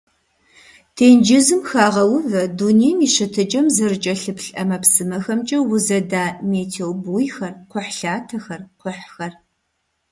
Тенджызым хагъэувэ дунейм и щытыкӀэм зэрыкӀэлъыплъ ӀэмэпсымэхэмкӀэ узэда метеобуйхэр, кхъухьлъатэхэр, кхъухьхэр.